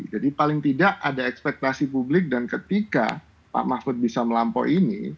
jadi paling tidak ada ekspektasi publik dan ketika pak mahfud bisa melampaui ini